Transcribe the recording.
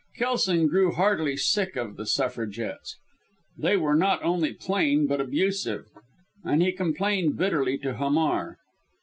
Kelson grew heartily sick of the Suffragettes. They were not only plain but abusive, and he complained bitterly to Hamar.